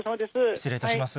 失礼いたします。